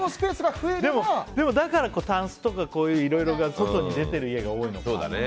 だから、タンスとかいろいろが外に出ている家が多いのかな。